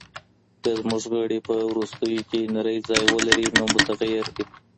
که زمونږ غړي په ورستیو کې نرۍ ځای ولري، نو متغیر دی.